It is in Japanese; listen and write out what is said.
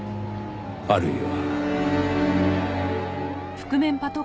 あるいは。